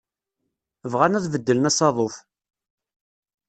Bɣan ad beddlen asaḍuf.